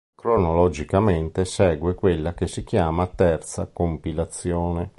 Cronologicamente segue quella che si chiamò terza compilazione.